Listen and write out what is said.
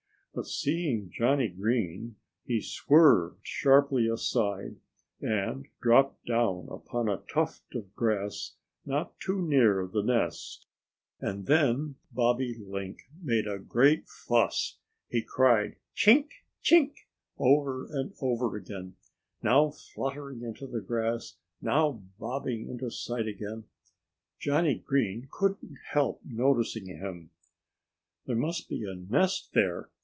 But seeing Johnnie Green, he swerved sharply aside and dropped down upon a tuft of grass not too near the nest. And then Bobby Bobolink made a great fuss. He cried "Chink, chink!" over and over again, now fluttering into the grass, now bobbing into sight again. Johnnie Green couldn't help noticing him. "There must be a nest there!"